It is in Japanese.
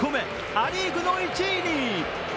ア・リーグの１位に。